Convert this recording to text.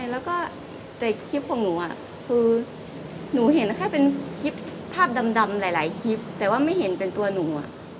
แล้วก็แต่คลิปของหนูคือหนูเห็นแค่เป็นคลิปภาพดำหลายคลิปแต่ว่าไม่เห็นเป็นตัวหนู